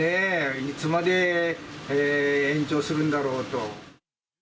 いつまで延長するんだろうと。